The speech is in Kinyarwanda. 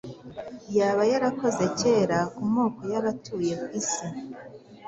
Yaba yarakoze kera kumoko yabatuye isi